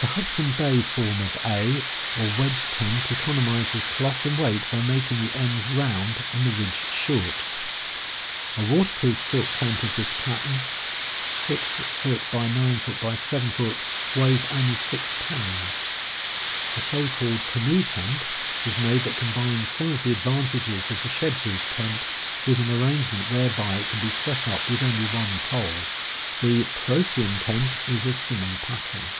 The Hudson Bay form of A or wedge tent economizes cloth and weight by making the ends round and the ridge short. A waterproof silk tent of this pattern, 44 CAMPING AND WOODCRAFT 6x9x7 feet, weighs only 6 pounds. A so called "canoe tent" is made that combines some of the advantages of the shed roof tent with an arrangement whereby it can be set up with only one pole. The "protean" tent is of similar pattern.